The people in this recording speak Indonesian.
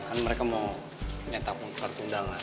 kan mereka mau nyetak kartu undangan